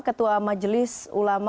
ketua majelis ulama